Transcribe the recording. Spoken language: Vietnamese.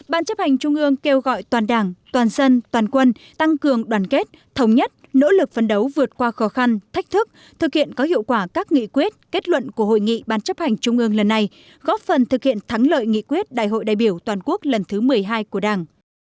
ban chấp hành trung ương kêu gọi toàn đảng toàn dân toàn quân tăng cường đoàn kết thống nhất nỗ lực phấn đấu vượt qua khó khăn thách thức thực hiện có hiệu quả các nghị quyết kết luận của hội nghị ban chấp hành trung ương lần này góp phần thực hiện thắng lợi nghị quyết đại hội đại biểu toàn quốc lần thứ một mươi hai của đảng